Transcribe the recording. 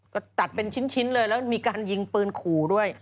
ก็ตัดเป็นชิ้นเลยแล้วมีการยิงปืนขู่ด้วย